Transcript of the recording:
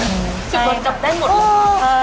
สิบวันจบได้หมด